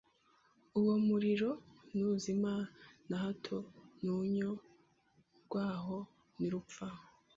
Uwo muriro ntuzima na hato, n’urunyo rwaho ntirupfa